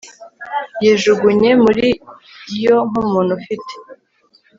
yijugunye muri yo nk'umuntu ufite